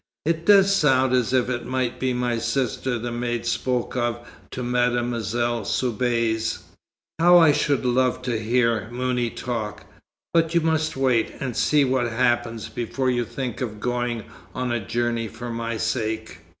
It does sound as if it might be my sister the maid spoke of to Mademoiselle Soubise. How I should love to hear Mouni talk! but you must wait, and see what happens, before you think of going on a journey for my sake."